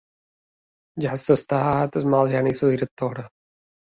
Ja has tastat el mal geni de la directora!